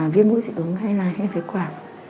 viêm mũi dị ứng hay là heo vết quả